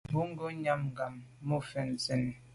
Bo ghom nyàm gham mum fèn sènni.